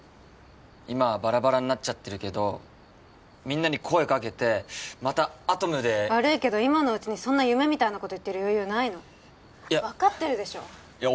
今はバラバラになっちゃってるけどみんなに声かけてまたアトムで悪いけど今のウチにそんな夢みたいなこと言ってる余裕ないのわかってるでしょいや